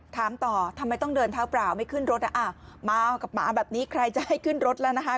ถามต่อทำไมต้องเดินเท้าเปล่าไม่ขึ้นรถมากับหมาแบบนี้ใครจะให้ขึ้นรถแล้วนะคะ